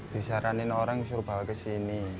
disaranin orang suruh bawa ke sini